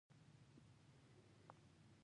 د بد عمل سزا شته.